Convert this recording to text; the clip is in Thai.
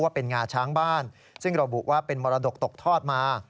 เป็นงาช้างบ้านซึ่งระบุว่าเป็นมรดกตกทอดมา